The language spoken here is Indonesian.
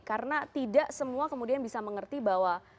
karena tidak semua kemudian bisa mengerti bahwa